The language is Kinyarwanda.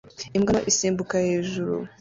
imbwa nto isimbuka hejuru